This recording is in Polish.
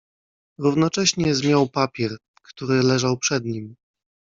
"Równocześnie zmiął papier, który leżał przed nim."